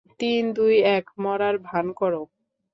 তিন, দুই, এক, মরার ভান করো।